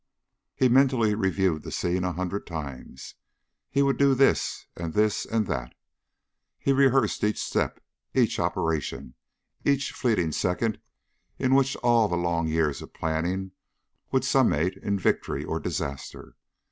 He mentally reviewed the scene a hundred times. He would do this and this and that. He rehearsed each step, each operation, each fleeting second in which all the long years of planning would summate in victory or disaster.